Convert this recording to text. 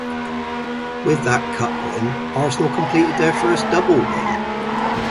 With that Cup win, Arsenal completed their first Double win.